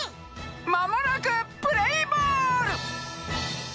まもなくプレーボール！